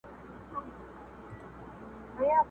هغه ورځ به را ویښیږي چي د صور شپېلۍ ږغیږي!.